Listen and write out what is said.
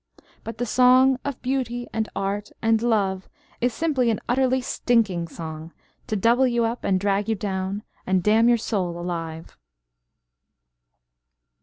But the song of Beauty and Art and Love Is simply an utterly stinking song, To double you up and drag you down And damn your soul alive.